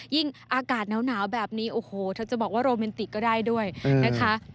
ยิ่งอากาศนาวนาวแบบนี้โอ้โหถ้าจะบอกว่ารโรเมนติก็ได้ด้วยนะคะ